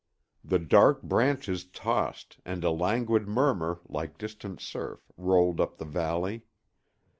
The dark branches tossed and a languid murmur, like distant surf, rolled up the valley.